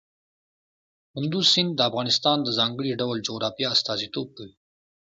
کندز سیند د افغانستان د ځانګړي ډول جغرافیه استازیتوب کوي.